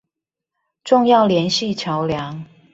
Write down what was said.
重要聯繫橋梁